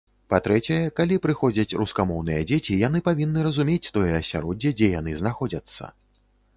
Па-трэцяе, калі прыходзяць рускамоўныя дзеці, яны павінны разумець тое асяроддзе, дзе яны знаходзяцца.